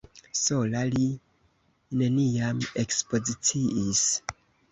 Sola li neniam ekspoziciis.